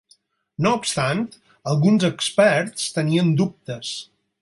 No obstant, alguns experts tenien dubtes.